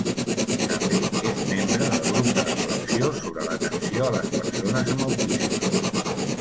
També és membre del grup de reflexió sobre l'atenció a les persones amb autisme.